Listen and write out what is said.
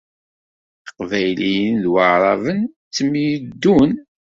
Iqbayliyen d Waɛṛaben ttemyeddun.